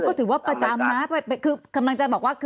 ก็ถือว่าประจำนะคือกำลังจะบอกว่า